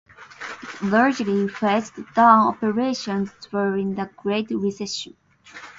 It largely phased down operations during the Great Recession.